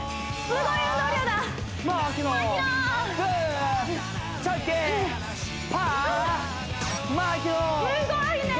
すごいね！